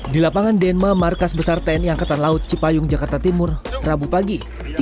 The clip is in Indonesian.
di lapangan denma markas besar tni angkatan laut cipayung jakarta timur rabu pagi